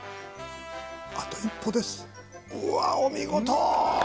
あと一歩ですうわお見事。